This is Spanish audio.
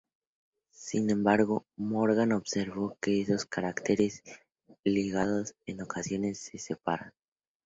Sin embargo, Morgan observó que esos caracteres "ligados" en ocasiones se separan.